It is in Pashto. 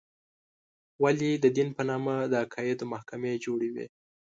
ولې د دین په نامه د عقایدو محکمې جوړې وې.